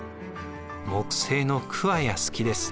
木製のクワやスキです。